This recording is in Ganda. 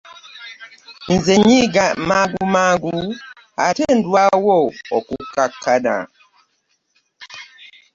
Nze nnyiiga mangu mangu ate ndwawo okukkakkana.